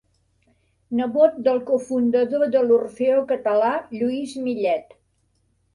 Nebot del cofundador de l'Orfeó Català Lluís Millet.